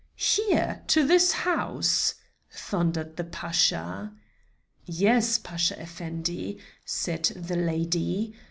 "Here? to this house?" thundered the Pasha. "Yes, Pasha Effendi," said the lady.